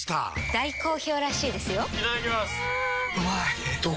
大好評らしいですよんうまい！